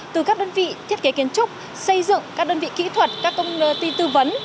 từ các đơn vị thiết kế kiến trúc xây dựng các đơn vị kỹ thuật các công ty tư vấn